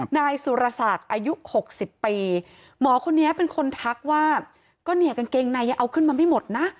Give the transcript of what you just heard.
นายสุรศักดิ์อายุหกสิบปีหมอคนนี้เป็นคนทักว่าก็เนี่ยกางเกงในยังเอาขึ้นมาไม่หมดนะ